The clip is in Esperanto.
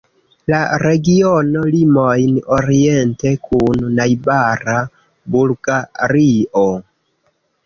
La regiono limojn oriente kun najbara Bulgario.